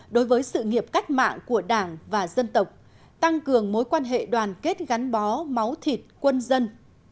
đối với sự nghiệp cách mạng của đảng và dân tộc tăng cường mối quan hệ đoàn kết gắn bó máu thịt quân dân